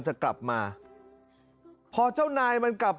ฉันทำให้มัน